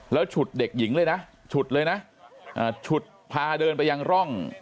แล้วฉุดเด็กหญิงเลยนะฉุดเลยนะฉุดพาเดินไปยังร่อง